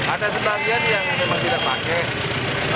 ada sebagian yang memang tidak pakai